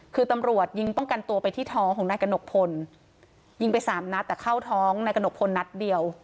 คือตำรวจยิงป้องกันตัวไปที่ท้องของนายกระหนกพลยิงไปสามนัดแต่เข้าท้องนายกระหนกพลนัดเดียว